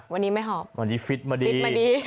วันนี้ไม่หอบวันนี้ฟิตอะมาดี